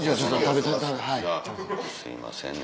すいませんね。